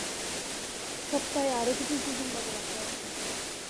সপ্তাহে আরও কিছু সুসংবাদের আশায় আছি।